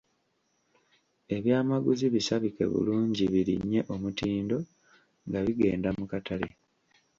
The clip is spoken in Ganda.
Eby’amaguzi bisabike bulungi birinnye omutindo nga bigenda mu katale.